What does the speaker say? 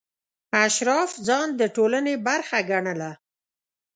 اشراف ځان د ټولنې برخه ګڼله.